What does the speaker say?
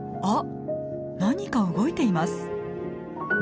何か動いています。